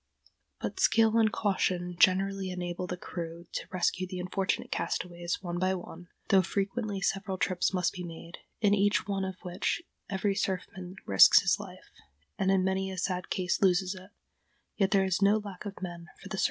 But skill and caution generally enable the crew to rescue the unfortunate castaways one by one, though frequently several trips must be made, in each one of which every surfman risks his life, and in many a sad case loses it; yet there is no lack of men for the service.